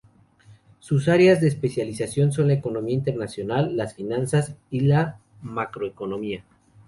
Sus áreas de especialización son la economía internacional, las finanzas y la macroeconomía.